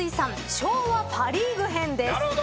昭和パ・リーグ編です。